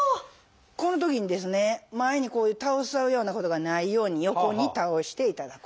このときにですね前に倒しちゃうようなことがないように横に倒していただく。